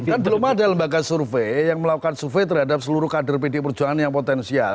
kan belum ada lembaga survei yang melakukan survei terhadap seluruh kader pdi perjuangan yang potensial